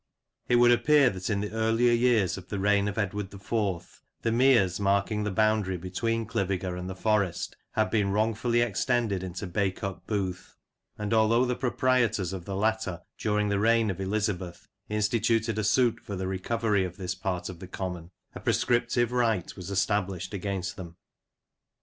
It would appear that in the earlier years of the reign of Edward IV , the meres marking the boundary between Cliviger and the Forest had been wrongfully extended into Bacup Booth; and although the proprietors of the latter during the reign of Elizabeth instituted a suit for the recovery of this part of the common, a prescriptive right was established against them.